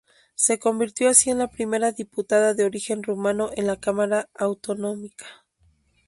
Se convirtió así en la primera diputada de origen rumano en la cámara autonómica.